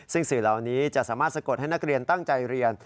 ซึ่งสื่อเหล่านี้จะสามารถสะกดให้นักเรียนตั้งใจเรียน